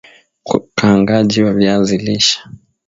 Ukaangaji wa viazi lishe